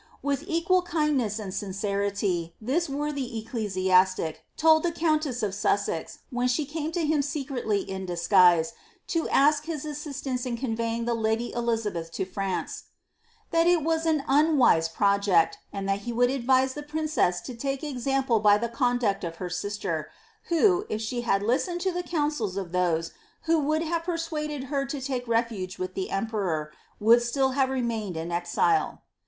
With equal kind ' MSJ. Cotton., f. 3. ■ Warton ; Aikin. ■ Viiell., f. 5. ■ IiItABBTH. ness and lincenty this worthy eeclamatic told the coantest of Sm* sex, whea she came to him secretly in disguise, to ask his assisianee in conveying the lady Eliiabeth to France, ^ that it was an unwise pro ject, and that he would advise the princess to take example by the con duct of her sister, who^ if she had listened to the counsels of those who would have persuaded her to take refuge with the emperor, would still have remained in exile.